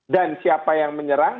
dan siapa yang menyerang